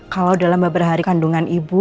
kalau dalam beberapa hari kandungan ibu